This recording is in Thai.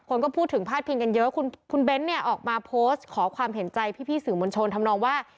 คนก็พูดถึงพาดพิงกันเยอะคุณเบ้นเนี่ยออกมาโพสต์ขอความเห็นใจพี่สื่อมวลชนทำนองว่า